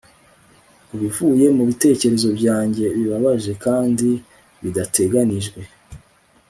ko bivuye mubitekerezo byanjye bibabaje kandi bidateganijwe